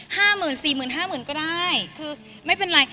ห้าหมื่นสี่หมื่นห้าหมื่นก็ได้คือไม่เป็นไร